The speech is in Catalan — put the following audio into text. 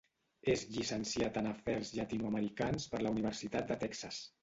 És llicenciat en afers llatinoamericans per la Universitat de Texas.